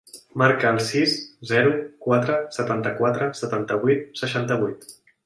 Marca el sis, zero, quatre, setanta-quatre, setanta-vuit, seixanta-vuit.